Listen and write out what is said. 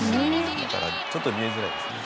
だからちょっと見えづらいですね。